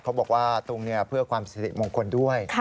เขาบอกว่าตรงนี้เพื่อความสิริมงคลด้วย